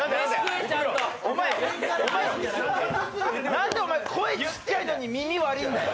なんで声ちっちゃいのに耳悪いんだよ。